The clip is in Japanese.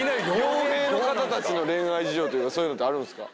傭兵の方たちの恋愛事情っていうかそういうのってあるんすか？